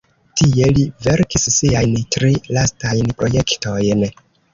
Tie li verkis siajn tri lastajn projektojn.